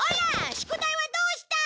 宿題はどうした？